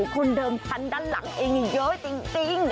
คนเดิมทันด้านหลังเองอีย้อยติง